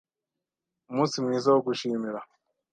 Umunsi mwiza wo gushimira.